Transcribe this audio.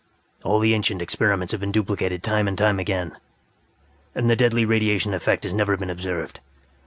All the ancient experiments have been duplicated time and again, and the deadly radiation effect has never been observed.